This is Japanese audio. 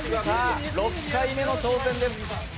６回目の挑戦です。